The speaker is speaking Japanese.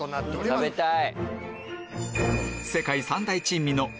食べたい！